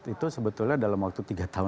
itu sebetulnya dalam waktu tiga tahun lima tahun